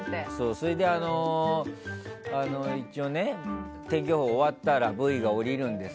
それで一応ね天気予報が終わったらＶＴＲが下りるんです